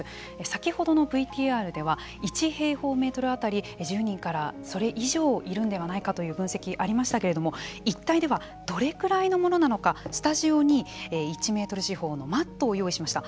先ほどのＶＴＲでは１平方メートル当たり１０人からそれ以上いるんではないかという分析がありましたけれどもいったいではどのぐらいのものなのかスタジオに１メートル四方のマットを用意しました。